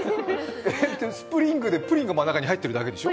スプリングでプリンが真ん中に入ってるだけでしょ？